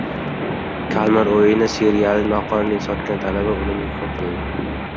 “Kalmar o‘yini” serialini noqonuniy sotgan talaba o‘limga hukm qilindi